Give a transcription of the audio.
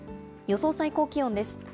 予想最高気温です。